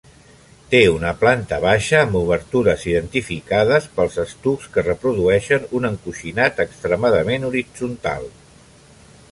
Té una planta baixa amb obertures identificada pels estucs que reprodueixen un encoixinat extremadament horitzontal.